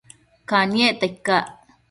Caniecta icac?